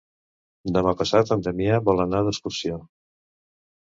Demà passat en Damià vol anar d'excursió.